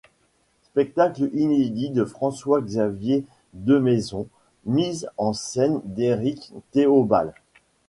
Spectacle inédit de François-Xavier Demaison, mise en scène d'Eric Théobald.